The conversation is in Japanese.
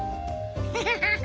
ヘハハハ。